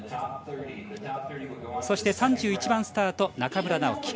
そして、３１番スタート中村直幹。